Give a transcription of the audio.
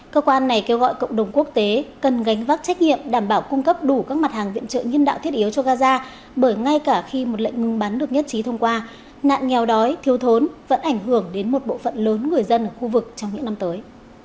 cơ quan này kêu gọi cộng đồng quốc tế cần gánh vác trách nhiệm đảm bảo cung cấp đủ các mặt hàng viện trợ nhân đạo thiết yếu cho gaza bởi ngay cả khi một lệnh ngừng bắn được nhất trí thông qua nạn nghèo đói thiêu thốn vẫn ảnh hưởng đến một bộ phận lớn người dân ở khu vực trong những năm tới